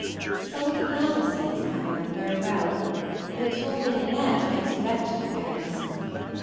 Some of the flower seeds are coming up very well, but your mignonette makes a wretched appearance.